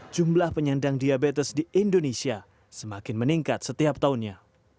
jumlah penyandang diabetes di indonesia semakin meningkat setiap tahunnya